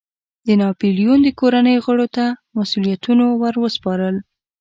د ناپلیون د کورنیو غړو ته مسوولیتونو ور سپارل.